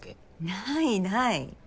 ないない。